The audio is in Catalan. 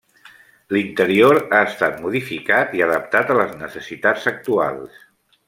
L'interior ha estat modificat i adaptat a les necessitats actuals.